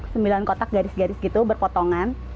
sembilan kotak garis garis gitu berpotongan